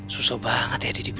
susah banget ya di diri gue